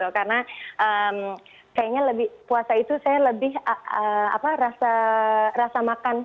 karena kayaknya lebih puasa itu saya lebih rasa makan